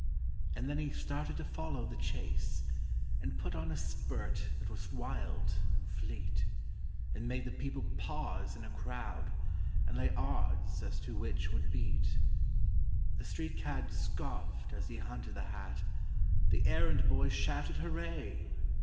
And then he started to follow the chase, And put on a spurt that was wild and fleet, It made the people pause in a crowd, And lay odds as to which would beat. The street cad scoffed as he hunted the hat, The errand boy shouted hooray!